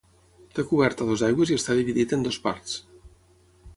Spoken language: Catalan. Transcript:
Té coberta a dues aigües i està dividit en dues parts.